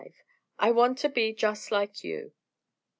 "I WANT TO BE JUST LIKE YOU."